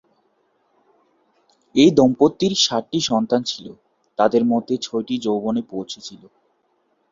এই দম্পতির সাতটি সন্তান ছিল, তাদের মধ্যে ছয়টি যৌবনে পৌঁছেছিল।